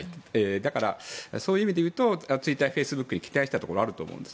だから、そういう意味で言うとツイッターやフェイスブックに期待したところはあると思うんです。